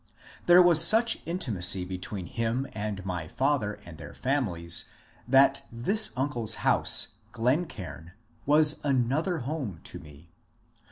There was such intimacy between him and my father and their families, that this nucleus house, Glencaim, was another home to me.